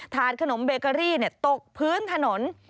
ขนมเบเกอรี่ตกพื้นถนน